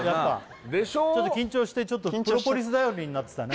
ちょっと緊張してちょっとプロポリス頼りになってたね